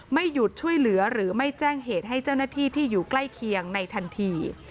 ไม่หยุดช่วยเหลือหรือไม่แจ้งเหตุให้เจ้าหน้าที่ที่อยู่ใกล้เคียงในทันที